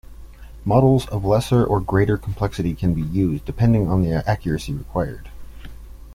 Models of lesser or greater complexity can be used, depending upon the accuracy required.